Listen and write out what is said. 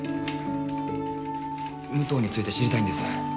武藤について知りたいんです。